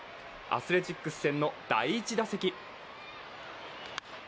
アスレチックス戦の第１打席。